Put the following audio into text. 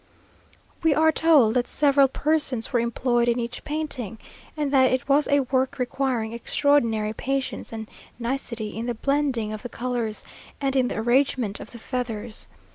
We are told that several persons were employed in each painting, and that it was a work requiring extraordinary patience and nicety, in the blending of the colours, and in the arrangement of the feathers.